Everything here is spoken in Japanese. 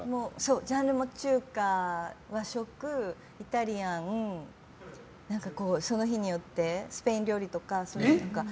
ジャンルも中華、和食、イタリアンその日によってスペイン料理とか。